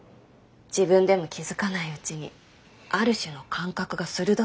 自分でも気付かないうちにある種の感覚が鋭くなる。